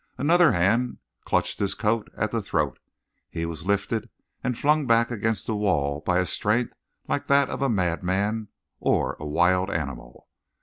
Another hand clutched his coat at the throat. He was lifted and flung back against the wall by a strength like that of a madman, or a wild animal.